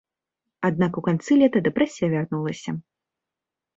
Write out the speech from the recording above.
Аднак у канцы лета дэпрэсія вярнулася.